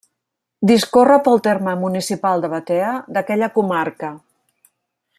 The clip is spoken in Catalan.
Discorre pel terme municipal de Batea, d'aquella comarca.